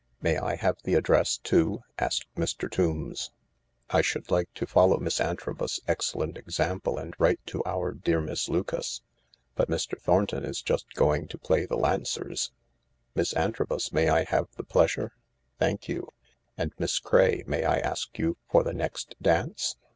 " May I have the address too ?" asked Mr. Tombs. " I 264 the Lark should like to follow Miss Antrobus's excellent example and write to our dear Miss Lucas. But Mr. Thornton is just going to play the Lancers. Miss Antrobus, may I have the pleasure ? Thank you. And Miss Craye, may I ask you for the next dance